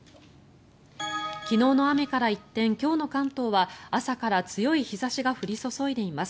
昨日の雨から一転今日の関東は朝から強い日差しが降り注いでいます。